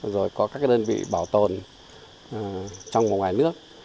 rồi có các đơn vị bảo tồn trong và ngoài nước